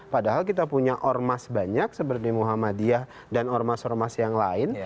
padahal kita punya ormas banyak seperti muhammadiyah dan ormas ormas yang lain